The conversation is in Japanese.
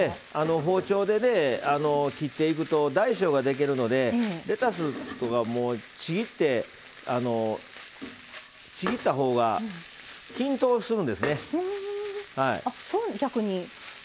包丁で切っていくと大小ができるのでレタスは、ちぎったほうが均等にいくんですね。